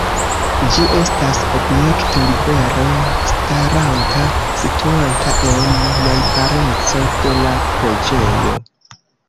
Ĝi estas objekto libere staranta, situanta en najbareco de la preĝejo.